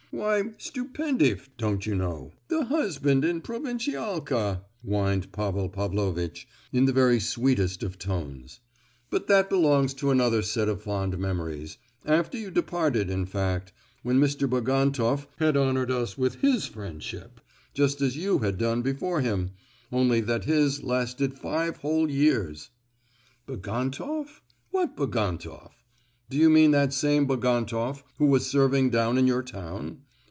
"Why, Stupendief, don't you know, the 'husband' in 'Provincialka,' " whined Pavel Pavlovitch, in the very sweetest of tones; "but that belongs to another set of fond memories—after you departed, in fact, when Mr. Bagantoff had honoured us with his friendship, just as you had done before him, only that his lasted five whole years." "Bagantoff? What Bagantoff? Do you mean that same Bagantoff who was serving down in your town?